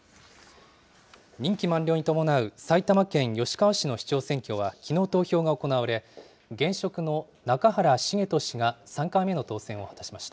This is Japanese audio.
任期満了に伴う埼玉県吉川市の市長選挙は、きのう投票が行われ、現職の中原恵人氏が３回目の当選を果たしました。